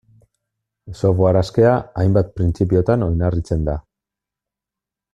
Software askea, hainbat printzipiotan oinarritzen da.